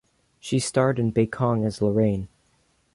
She starred in "Bakekang" as Lorraine.